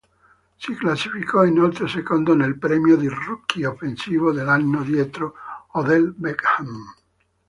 Si classificò inoltre secondo nel premio di rookie offensivo dell'anno dietro Odell Beckham.